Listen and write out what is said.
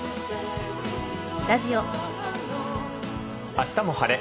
「あしたも晴れ！